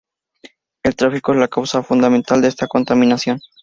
el tráfico es la causa fundamental de esta contaminación.